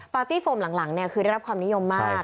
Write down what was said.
ปาร์ตี้โฟมหลังคือได้รับความนิยมมาก